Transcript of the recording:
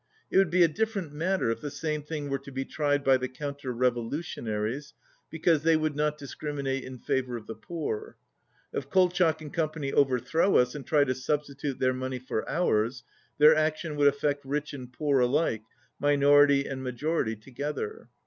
It would be a differ ent matter if the same thing were to be tried by the counter revolutionaries, because they would not discriminate in favour of the poor. If Kol chak and Company overthrow us and try to sub stitute their money for ours, their action would affect rich and poor alike, minority and majority together.